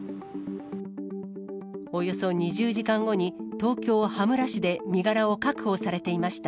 およそ２０時間後に東京・羽村市で身柄を確保されていました。